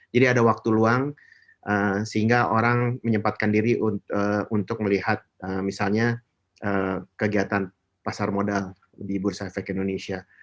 jadi ada waktu luang sehingga orang menyempatkan diri untuk melihat misalnya kegiatan pasar modal di bursa efek indonesia